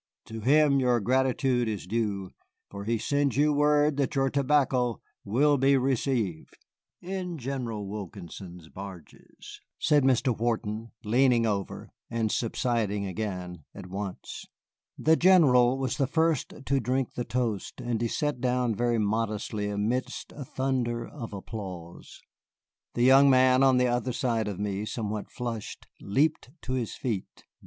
To him your gratitude is due, for he sends you word that your tobacco will be received." "In General Wilkinson's barges," said Mr. Wharton, leaning over and subsiding again at once. The General was the first to drink the toast, and he sat down very modestly amidst a thunder of applause. The young man on the other side of me, somewhat flushed, leaped to his feet.